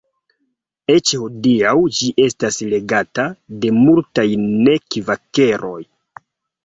Eĉ hodiaŭ ĝi estas legata de multaj ne-kvakeroj.